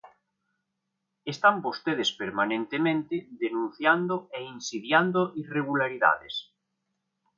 Están vostedes permanentemente denunciando e insidiando irregularidades.